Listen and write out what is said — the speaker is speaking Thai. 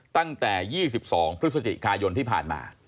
ตั้งแต่๒๒พฤศจิกายนที่ผ่านมา